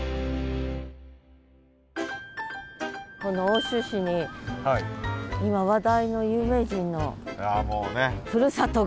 この奥州市に今話題の有名人のふるさとが。